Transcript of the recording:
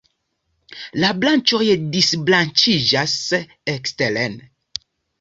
La branĉoj disbranĉiĝas eksteren.